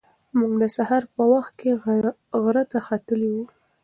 موږ د سهار په وخت کې غره ته ختلي وو.